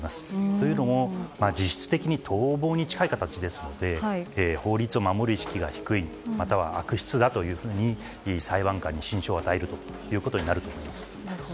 というのも実質的に逃亡に近い形ですので法律を守る意識が低いまたは悪質だというふうに裁判官に心証を与えることになると思います。